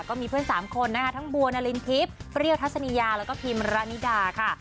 ก็มีเพื่อน๓คนนะคะทั้งบัวนารินทิพย์เปรี้ยวทัศนียาแล้วก็พิมระนิดาค่ะ